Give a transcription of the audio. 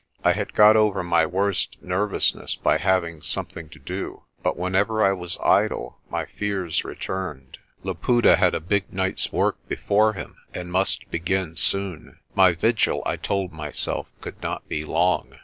I had got over my worst nervousness by hav ing something to do but whenever I was idle my fears re turned. Laputa had a big night's work before him and must begin soon. My vigil, I told myself, could not be long.